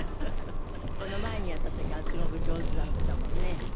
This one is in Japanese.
この前にやった時はすごく上手だったもんね。